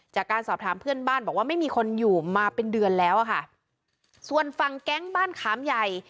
จากการสอบถามเพื่อนบ้านบอกว่าไม่มีคนอยู่มาเป็นเดือนแล้วอะค่ะส่วนฝั่งแก๊งบ้านขามใหญ่